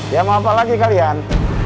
ya mau apa apa lagi kalian